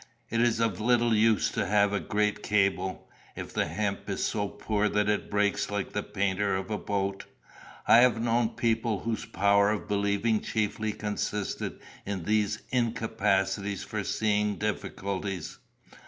It is of little use to have a great cable, if the hemp is so poor that it breaks like the painter of a boat. I have known people whose power of believing chiefly consisted in their incapacity for seeing difficulties.